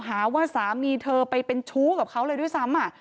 หาว่าสามีเธอไปเป็นชู้กับเขาเลยด้วยซ้ำ